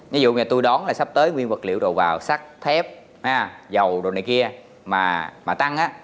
ví dụ như tôi đón là sắp tới nguyên vật liệu đồ vào sắt thép dầu đồ này kia mà tăng á